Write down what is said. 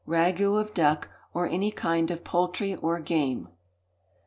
Ragoût of Duck, or any kind of Poultry or Game.